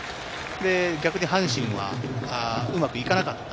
逆に阪神はうまくいかなかった。